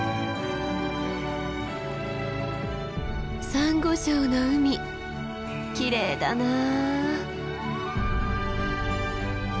サンゴ礁の海きれいだなあ。